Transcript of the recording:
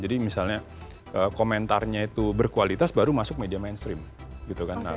jadi misalnya komentarnya itu berkualitas baru masuk media mainstream gitu kan